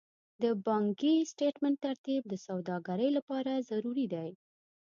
د بانکي سټېټمنټ ترتیب د سوداګرۍ لپاره ضروري دی.